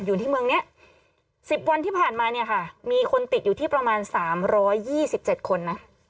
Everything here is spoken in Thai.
อยู่ที่เมืองนี้๑๐วันที่ผ่านมาเนี่ยค่ะมีคนติดอยู่ที่ประมาณ๓๒๗คนนะ